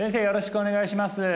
よろしくお願いします